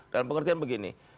dalam pengertian begini